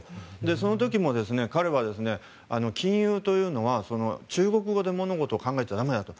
その時も彼は金融というのは中国語で物事を考えちゃ駄目だと。